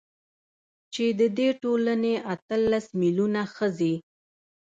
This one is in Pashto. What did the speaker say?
چـې د دې ټـولـنې اتـلس مـيلـيونـه ښـځـې .